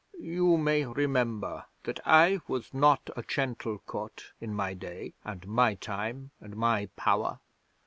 "You may remember that I was not a gentle God in my Day and my Time and my Power.